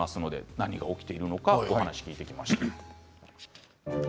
何が起きているのかお話を聞いてきました。